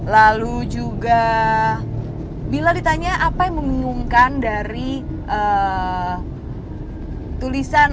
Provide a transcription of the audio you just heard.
lalu juga bila ditanya apa yang membingungkan dari tulisan